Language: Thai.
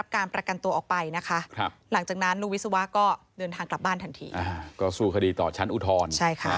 ก็สู้คดีต่อชั้นอุทร